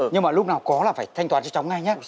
nhưng mà lúc nào có là phải thanh toán cho cháu ngay nhé